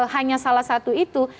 hanya salah satu itu